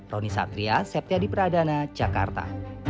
roni satria septya di pradana jakarta